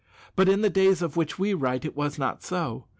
But in the days of which we write it was not so.